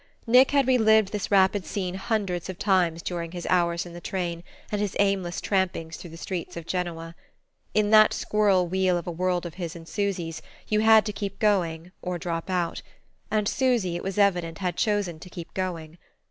Nick had relived this rapid scene hundreds of times during his hours in the train and his aimless trampings through the streets of Genoa. In that squirrel wheel of a world of his and Susy's you had to keep going or drop out and Susy, it was evident, had chosen to keep going.